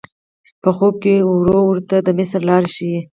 په خوب کې وری ورته د مصر لار ښیي.